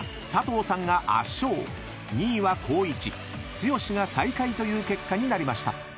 剛が最下位という結果になりました］